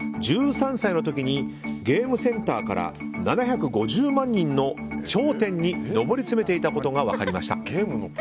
１３歳の時にゲームセンターから７５０万人の頂点に上り詰めていたことが分かりました。